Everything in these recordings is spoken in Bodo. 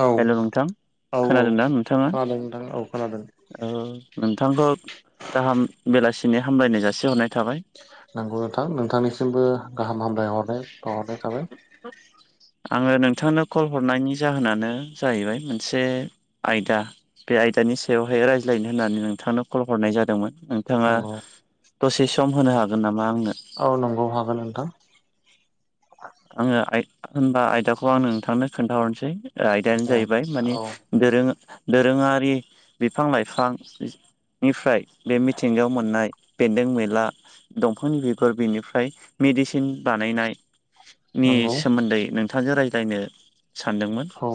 औ हेल' नोंथां औ खोनादों ना नोंथाङा खोनादों नोंथां खोनादों औ नोंथांखौ गाहाम बेलासिनि हामलायनाय जासि हरनाय थाबाय नंगौ नोंथां नोंथांनिसिमबो गाहाम हामलायहरनाय बावहरनाय थाबाय [inaudible] आङो नोंथांनो कल हरनायनि जाहोनानो जाहैबाय मोनसे आयदा बे आयदानि सायावहाय रायज्लायनो होननानै नोंथांनो कल हरनाय जादोंमोन नोंथाङा नंगौ दसे सम होनो हागोन नामा आंनो औ नंगौ हागोन नोंथां आङो आयदा होनबा आयदाखौ आंनो नोंथांनो खोन्थाहरसै ओ आयदायानो दे जाहैबाय माने औ दोरो दोरोङारि बिफां लाइफां निफ्राय बे मिथिंगायाव मोननाय बेन्दों बेनला दंफांनि बिगुर बिनिफ्राय मिडिसिन बानायनाय नि नंगौ सोमोन्दै नोंथांजों रायज्लायनो सानदोंमोन औ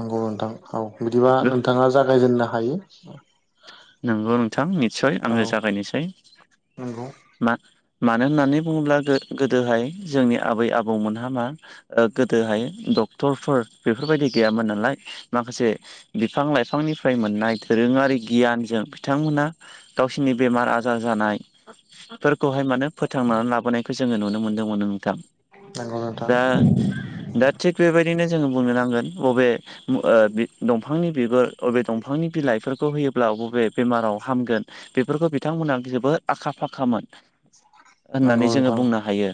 नंगौ नोंथां औ बिदिबा नोंथाङा जागायजेननो हायो नंगौ नोंथां निस्सय औ आङो जागायनोसै नंगौ मा मानो होननानै बुङोब्ला गोदोहाय जोंनि आबै आबौमोनहा मा ओ गोदोहाय डक्टरफोर बेफोरबायदि गैयामोन नालाय माखासे बिफां लाइफांनिफ्राय मोननाय दोरोङारि गियानजों बिथांमोना गावसिनि बेमार आजार जानाय फोरखौहाय माने फोथांनानै लाबोनायखौ जोङो नुनो मोन्दोंमोन नोंथां नंगौ नोंथां दा दा थिग बेबायदिनो जोङो बुंनो नांगोन बबे दंफांनि बिगुर अबे दंफांनि बिलाइफोरखौ होयोब्ला बबे बेमाराव हामगोन बेफोरखौ बिथांमोना जोबोद आखा फाखामोन नंगौ होननानै जोङो नोंथां बुंनो हायो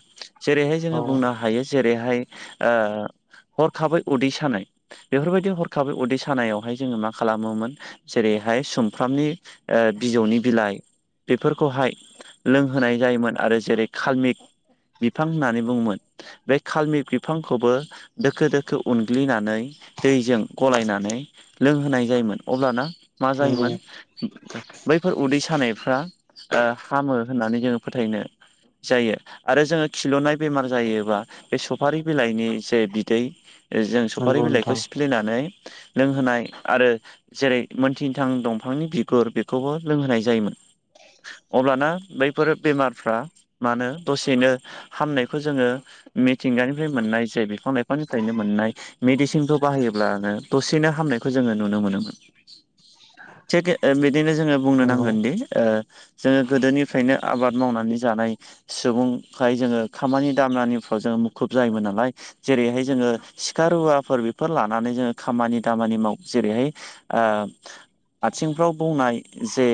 जेरैहाय औ जोङो बुंनो हायो जेरैहाय ओ हरखाबायै उदै सानाय बेफोरबायदि हरखाबै उदै सानायावहाय जोङो मा खालामोमोन जेरैहाय सुमफ्रामनि ओ बिजौनि बिलाइ बेफोरखौहाय लोंहोनाय जायोमोन आरो जेरै काल्मिक बिफां होननानै बुङोमोन बे खालमि बिफांखौबो दोखो दोखो उनग्लिनानै दैजों गलायनानै लोंहोनाय जायोमोन अब्लाना मा नंगौ जायोमोन बैफोर उदै सानायफ्रा ओ हामो होननानै जोङो फोथायनो जायो आरो जोङो खिलुनाय बेमार जायोबा बे सफारि बिलाइनि जे बिदै जों सफारि नंगौ बिलाइखौ नोंथां सिफ्लेनानै लोंहोनाय आरो जेरै मोनथिथां दंफांनि बिगुर बेखौबो लोंहोनाय जायोमोन। अब्लाना बैफोर बेमारफ्रा मानो दसेनो हामनायखौ जोङो मिथिंगानिफ्राय मोननाय जे बिफां लाइफांनिफ्रायनो मोननाय मिडिसिनखौ बाहायोब्लानो दसेनो हामनायखौ जोङो नुनो मोनोमोन थिग बिदिनो जोङो बुंनो नंगौ नांगोनदि ओ जोङो गोदोनिफ्रायनो आबाद मावनानै जानाय सुबुंहाय जोङो खामानि दामानिफ्रोव जोङो मुखुब जायोमोन नालाय जेरैहाय जोङो सिखा रुवाफोर बेफोर लानानै जोङो खामानि दामानि माव जेरैहाय ओ आथिंफ्राव बौनाय जे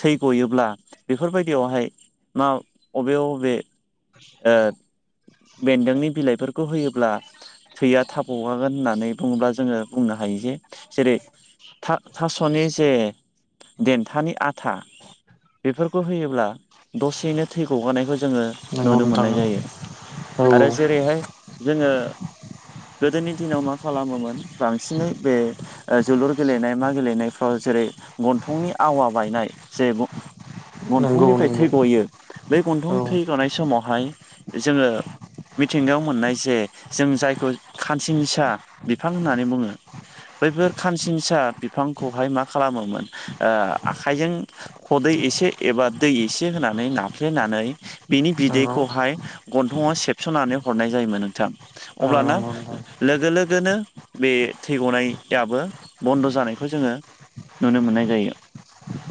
थै गयो ब्ला बेफोरबायदियावहाय मा अबे बबे ओ बेन्दोंनि बिलाइफोरखौ होयोब्ला थैया थाब गगागोन होननानै बुङोब्ला जोङो बुंनो हायो जे जेरै था थास'नि जे देन्थानि आथा बेफोरखौ होयोब्ला दसेयैनो थै गगानायखौ जोङो नंगौ नुनो नोंथां मोननाय औ जायो औ आरो जेरैहाय जोङो गोदोनि दिनाव मा खालामोमोन बांसिनै बे ओ जोलुर गेलेनाय मा गेलेनायफ्राव जेरै गन्थंनि आवा बायनाय जे नंगौ गन्थंनिफ्राय नंगौ थै गयो बे औ गन्थं थै गनाय समावहाय जोंङो मिथिंगायाव मोननाय जे जों जायखौ खानसिंसा बिफां होननानै बुंङो बैफोर खानसिंसा बिफांखौहाय मा खालामोमोन ओ आखाइजों खदै एसे एबा दै एसे होनानै नाफ्लेनानै बिनि नंगौ बिदैखौहाय गन्थंङाव सेबस'नानै हरनाय जायोमोन नोंथां औ अब्लाना नंगौ नोंथां लोगो लोगोनो बे थै गनायाबो बन्द' जानायखौ जोंङो नुनो मोननाय जायो।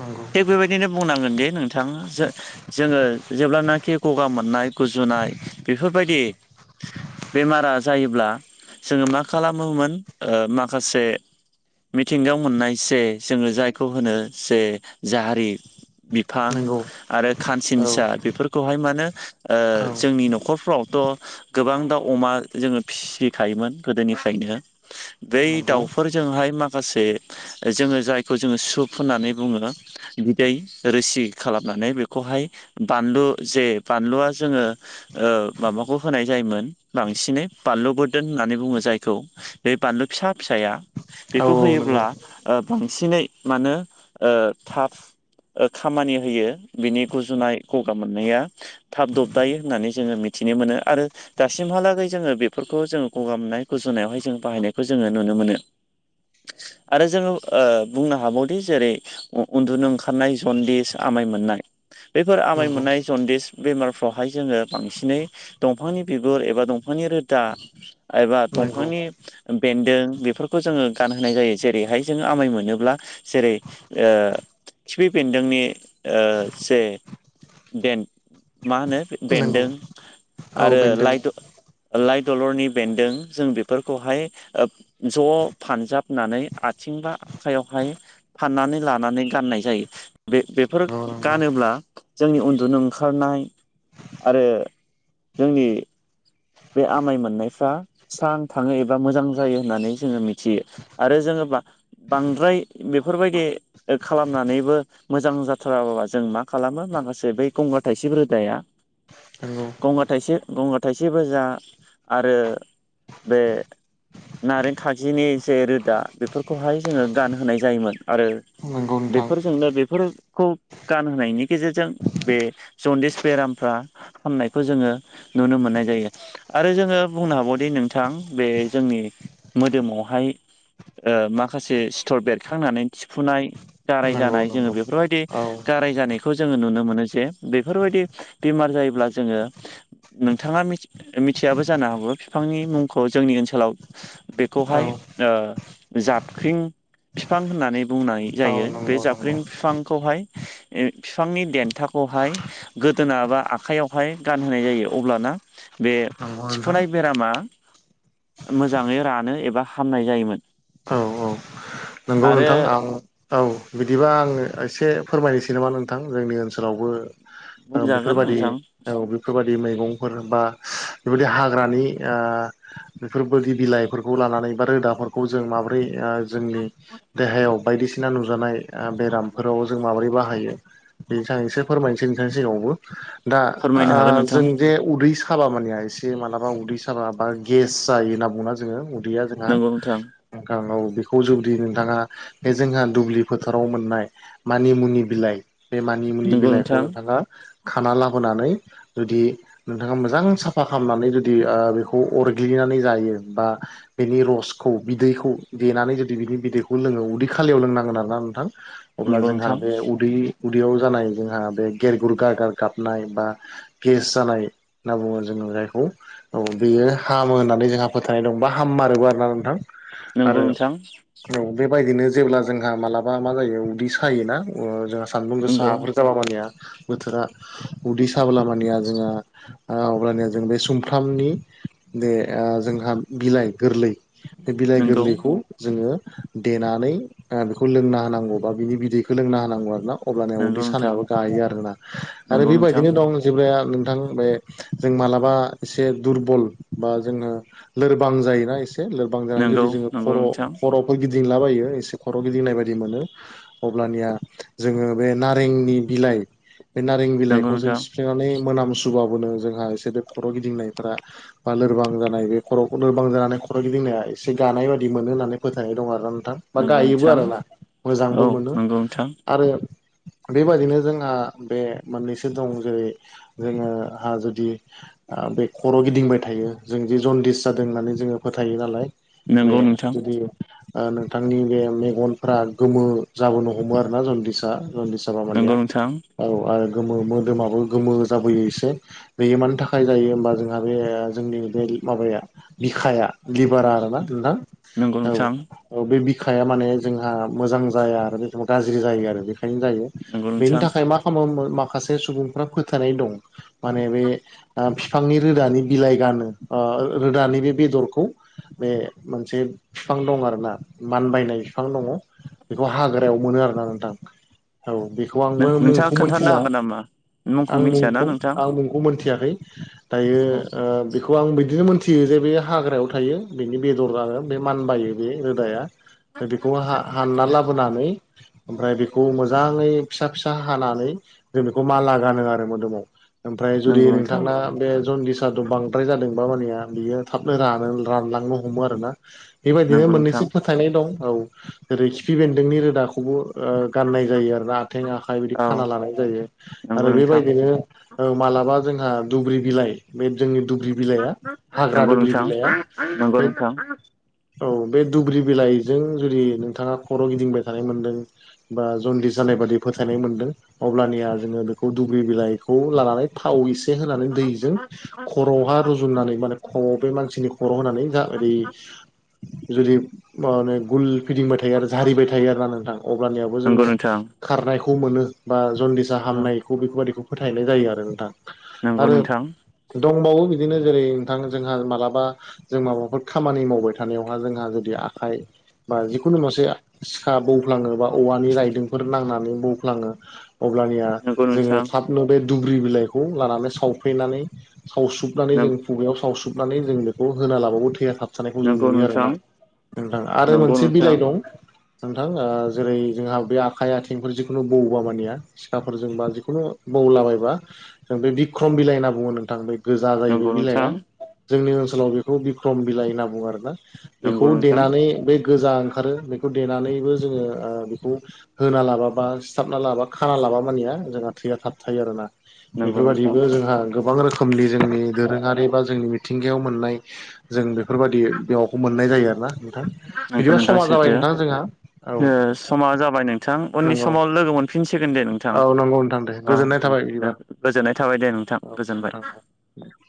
नंगौ थिग बेबायदिनो बुंनांगोन दे नोंथां जो जोंङो जेब्लानाखि गगा मोननाय गुजुनाय बेफोरबायदि बेमारा जायोब्ला जोंङो मा खालामोमोन ओ माखासे मिथिंगायाव मोननाय जे जोंङो जायखौ होनो जे जारि बिफां नंगौ आरो औ खानसिंसा बेफोरखौहाय माने औ जोंनि न'खरफ्रावथ' गोबां दाउ अमा जोंङो फिसिखायोमोन गोदोनिफ्रायनो बै नंगौ दाउफोरजोंहाय माखासे जोंङो जायखौ जोंङो सुप होननानै बुंङो। बिदै रोसि खालामनानै बेखौहाय बानलु जे बानलुआ जोंङो ओ माबाखौ होनाय जायोमोन बांसिनै बानलु बोरदोन होननानै बुंङो जायखौ बे बानलु फिसा फिसाया औ बेखौ नंगौ होयोब्ला बांसिनै मानो ओ थाब ओ खामानि होयो बिनि गुजुनाय गगा मोननाया थाब दबदायो होननानै जोंङो मिथिनो मोनो आरो दासिमहालागै जोंङो बेफोरखौ जोंङो गगामनाय गुजुनायावहाय जों बाहायनायखौ जोंङो नुनो मोनो आरो जोंङो बुंनो हाबावदि जेरै उनदुनो ओंखारनाय सदिस आमाइ मोननाय बेफोर आमाय नंगौ मोननाय जनदिस बेमारफ्रावहाय जोङो बांसिनै दंफांनि बिगुर एबा दंफांनि रोदा एबा नंगौ दंफांनि बेन्दों बेफोरखौ जोंङो गानहोनाय जायो जेरैहाय जोंङो आमाय मोनोब्ला जेरै ओ खिफि बेन्दोंनि जे बेन- मा होनो नंगौ बेन्दों औ आरो बेन्दों लाइ द लाइ दलरनि बेनदों जों बेफोरखौहाय ज' फानजाबनानै आथिं बा आखाइयावहाय फाननानै लानानै गाननाय जायो बे बेफोर नंगौ नंगौ गानोब्ला जोंनि उनदुनो ओंखारनाय आरो जोंनि बे आमाय मोननायफ्रा स्रां थांङो एबा मोजां जायो होननानै जोंङो मिथियो। आरो जोंङो बांद्राय बेफोरबायदि खालामनानैबो मोजां जाथाराबाबा जों मा खालामो माखासे बै गंगार थाइसिब‌ रोदाया नंगौ गंगार थाइसिब गंगा थाइसिब जा आरो बे नारें खागजिनि जे रोदा बेफोरखौहाय जोंङो गानहोनाय जायोमोन आरो नंगौ नोंथां बेफोरजोंनो बे बेफोरखौ गानहोनायनि गेजेरजों बे जनडेस बेरामफ्रा हामनायखौ जोंङो नुनो मोननाय जायो। आरो जोंङो बुंनो हाबायोदि नोंथां बे जोंनि मोदोमावहाय ओ माखासे सिथर बेरखांनानै थिफुनाय गाराय नंगौ जानाय जोंङो नंगौ बे बेफोरबायदि औ गाराय जानायखौ जोंङो नुनो मोनो जे बेफोरबायदि बेमार जायोब्ला जोंङो नोंथांङा मिथियाबो जानो हागौ बिफांनि मुंखौ जोंनि ओनसोलाव औ बेखौहाय ओ जाबख्रिं बिफां होननानै बुंनाय औ जायो बे नंगौ जाबख्रिं नंगौ बिफांखौहाय ए बिफांनि देनथाखौहाय गोदोना बा आखाइयावहाय गानहोनाय जायो अब्लाना बे नंगौ नोंथां थिफुनाय बेरामा मोजाङै रानो एबा हामनाय जायोमोन [inaudible] औ औ नंगौ नोंथां आं औ बिदिबा आङो एसे फोरमायनोसै नामा नोंथां जोंनि ओनसोलावबो ओ बुंजागोन बेफोरबायदि नोंथां औ बेफोरबायदि मैगंफोर बा बेबायदि हाग्रानि आ बेफोर बोरि बिलाइफोरखौ लानानै बा रोदाफोरखौ जों माबोरै आ जोंनि गाव बायदिसिना नुजानाय बेरामफोराव जों माबोरै बाहायो बेखो आं एसे फोरमायनोसै नोंथां सिगाङावबो दा फोरमायनो हागोन नोंथां जों जे उदै सा साबा मानिया एसे मालाबा उदै साबा बा गेस जायो होनना बुङोना जोङो गैया जोंहा नंगौ नोंथां बेखौ जुदि नोंथाङा बे जोंहा दुब्लि फोथाराव मोननाय मानिमुनि बिलाइ बे मानिमुनि नंगौ बिलाइखौ नोंथां नोंथाङा खाना लाबोनानै जुदि नोंथाङा मोजां साफा खालामनानै जुदि बेखौ अरग्लिनानै जायो बा बेनि रसखौ बिदैखौ देनानै जुदि बिनि बिदैखौ लोङो उदै खालियाव लोंनांगोन आरोना नोंथां अब्ला नंगौ जोंहा नोंथां बे उदै उदैयाव जानाय जोंहा बे गेरगुर गारगार गाबनाय बा गेस जानाय होनना बुङो जोङो जायखौ औ बेयो हामो होननानै जोंहा फोथायनाय दं आरो हामारोबो आरोना नोंथां नंगौ आरो नोंथां औ बेबायदिनो जेब्ला जोंहा मालाबा मा जायो उदै सायोना जोंहा सानदुं नंगौ गोसाफोर जाबा मानिया बोथोरा उदै साबोला मानिया जोंहा आ अब्लानिया जों बे सुमफ्रामनि बेे आ जोंहा बिलाइ गोरलै बे बिलाइ नंगौ गोरलैखौ जोङो देनानै बेखौ लोंना होनांगौ बा बिनि बिदैखौ लोंना होनांगौ आरोना अब्लानिया नंगौ उदै नोंथां सानायाबो गायो आरोना आरो नंगौ नोंथां बेबायदिनो दं जेब्लाया नोंथां बे जों मालाबा एसे दुरबल बा जोङो लोरबां जायोना एसे लोरबां जानानै नंगौ जुदि जोङो नंगौ नोंथां खर' ख'फोर गिदिंलाबायो एसे खर' गिदिंनाय बायदि मोनो अब्लानिया जोङो बे नारेंनि बिलाइ बे नारें नंगौ बिलाइखौ जों नोंथां सिफ सोनानै मोनामसुबाबो जोंहा एसे बे खर' गिदिंनायफोरा बा लोरबां जानाय बे खर'खौ लोरबां जानानै खर' गिदिंनाया एसे गानाय बादि मोनो होननानै फोथायनाय दं आरोना नोंथां बा नंगौ गायोबो नोंथां आरोना औ मोजांबो मोनो नंगौ नोंथां आरो बेबादिनो जोंहा बे मोननैसो दं जेरै जोङो हा जुदि आ बे खर' गिदिंबाय थायो जों जे जनदिस जादों होननानै जोङो फोथायो नालाय बे नंगौ नोंथां जुदि नोंथांनि बे मेगनफोरा गोमो जाबोनो हमो आरोना जनदिसा जनदिस माबा मानिया नंगौ नोंथां औ आरो गोमो मोदोमाबो गोमो जाबोयो एसे बियो मानि थाखाय जायो होमबा जोंहा बे जोंनि बे माबाया बिखाया लिभारा आरोना नोंथां नंगौ औ नोंथां औ बे बिखाया माने जोंहा मोजां जाया आरो बे समाव गाज्रि जायो आरो बेखायनो जायो नंगौ बेनि नोंथां थाखाय मा खामबावमो माखासे सुबुंफ्रा फोथायनाय दं माने बे फिफांनि रोदानि बिलाइ गानो आ रोदानि बे बेदरखौ बे मोनसे फिफां दं आरोना मानबायनाय फिफां दङ बेखौ हाग्रायाव मोनो आरोना नोंथां औ बेखौ आंबो नोंथाङा मुंखौ खोन्थानो मोनथिला हागोन नामा आं मिथियाना मुंखौ नोंथां आं मुंखौ मोनथियाखै दायो औ ओ बेखौ आं बिदिनो मोनथियो जे बे हाग्रायाव थायो बेनि बेदर आरो। बे मानबायो बे रोदाया बेखौ हा हानना लाबोनानै ओमफ्राय बेखौ मोजाङै फिसा फिसा हानानै जों बेखौ माला गानो आरो मोदोमाव। ओमफ्राय नंगौ जुदि नोंथां नोंथांना बे जनडिसाथ बां द्राय जादोंबा मानेया बियो थाब थाबनो रानलांनो हमो आरोना बेबायदिनो नंगौ नोंथां मोननैसो फोथ थायनाय दं औ जेरै खिफि बेन्दोंनि रोदाखौबो गाननाय जायो आरो। आथें आखाइ बिदि औ खाना लानाय जायो नंगौ आरो नोंथां बेबायदिनो औ मालाबा जोंहा दुब्रि बिलाइ बे जोंनि दुब्रि बिलाइया हाग्रा नंगौ दुब्रि नोंथां बिलाइआ नंगौ बे नोंथां औ बे दुब्रि बिलाइजों जुदि नोंथाङा खर' गिदिंबाय थानाय मोनदों। बा जन्दिस जानाय बादि फोथायनाय मोनदों। अब्लानिया जोङो बेखौ दुब्रि बिलाइखौ लानानै थाव इसे होनानै दैजों खर'हा रुजुनानै माने ख बे मानसिनि खर' होनानै ज ओरै जुदि माने गुल फिदिंबाय थायो आरो जारिबाय थायो आरोना नोंथां अब्लानियावबो नंगौ जोङो नोंथां खारनायखौ मोनो बा जनदिस जा औ हामनायखौ बेफोरबायदिखौ फोथायनाय जायो आरो नोंथां नंगौ आरो नोंथां दंबावो बिदिनो जेरै नोंथां जोंहा मालाबा जों माबाफोर खामानि मावबाय थादों। थानायावहा जोंहा जुदि आखाइ बा जिखुनु मोनसे सिखा बौफ्लाङो बा औवानि रायदोंफोर नांनानै बौफ्लाङो अब्लानिया नंगौ जोङो नोंथां थाब बे दुब्रि बिलाइखौ लानानै सावफैनानै सावसोबनानै जों नंगौ नोंथां खुगायाव सावसोबनानै जों बेखौ होना लाबावो थैया थाबथानाय जों नंगौ नुयो नोंथां आरोना नोंथां आरो नंगौ मोनसे बिलाइ नोंथां दं। नोंथां जेरै जोंहा बे आखाइ आथिंफोर जिखुनु बौबा मानिया सिखाफोरजों बा जिखुनु बौलाबायबा जों बे बिक्रम बिलाइ होनना बुङो नोंथां बे गोजा जाहैबाय नंगौ बिलाइआ नोंथां जोंनि ओनसोलाव बेखौ बिक्रम बिलाइ होनना बुङो आरोना। बेखौ नंगौ नोंथां देनानै बे गोजा ओंखारो बेखौ देनानैबो जोङो बेखौ होना लाबा बा सिथाबना लाबा खाना लाबा मानिया जोंहा थैया थाब थायो आरोना। नंगौ बेफोरबायदिबो जोंहा गोबां रोखोम खोमनि जोंनि दोरोङारि बा जोंनि मिथिंगायाव मोननाय जों बे बेफोरबायदि बेखौ मोननाय जायो आरोना नोंथां बिदिबा नोंथां समा जाबाय सैथो नोंथां जोंहा औ समा जाबाय नोंथां उननि नंगौ समाव लोगो मोनफिनगोन। मोनफिनसिगोन दे नोंथां औ नंगौ नोंथां दे गोजोननाय थाबाय बिदिबा अ गोजोननाय थाबाय दे नोंथां औ गोजोनबाय। नोंथां। [unintelligible]